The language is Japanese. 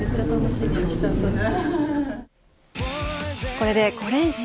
これで５連勝